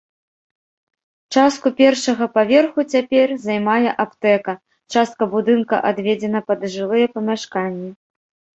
Частку першага паверху цяпер займае аптэка, частка будынка адведзена пад жылыя памяшканні.